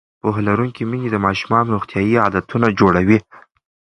پوهه لرونکې میندې د ماشومانو روغتیایي عادتونه جوړوي.